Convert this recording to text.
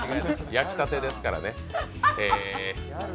焼きたてですからね。